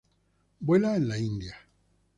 Vuela en la India.